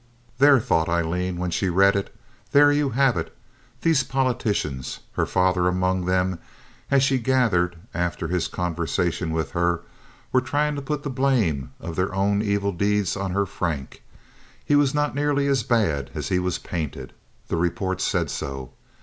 "There," thought Aileen, when she read it, "there you have it." These politicians—her father among them as she gathered after his conversation with her—were trying to put the blame of their own evil deeds on her Frank. He was not nearly as bad as he was painted. The report said so.